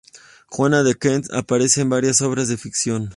Juana de Kent aparece en varias obras de ficción.